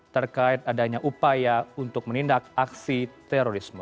terkait adanya upaya untuk menindak aksi terorisme